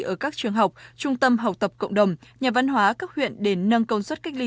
ở các trường học trung tâm học tập cộng đồng nhà văn hóa các huyện để nâng công suất cách ly